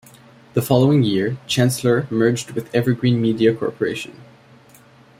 The following year, Chancellor merged with Evergreen Media Corporation.